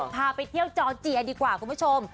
พาไปเที่ยวจอร์เจียดีกว่าคุณผู้ชม